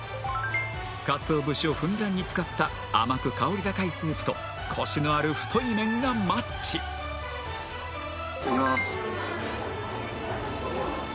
鰹節をふんだんに使った甘く香り高いスープとコシのある太い麺がマッチいただきまーす